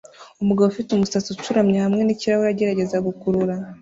Umugabo ufite umusatsi ucuramye hamwe nikirahure agerageza gukurura